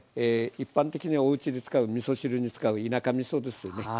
一般的におうちで使うみそ汁に使う田舎みそですよね。